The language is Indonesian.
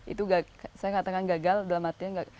itu saya katakan gagal dalam artian